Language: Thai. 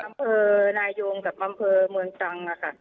คำเผอร์นายงกับคำเผอร์เมืองจังค่ะ